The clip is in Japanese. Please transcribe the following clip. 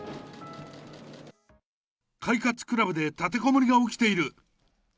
快活ＣＬＵＢで立てこもりが起きている。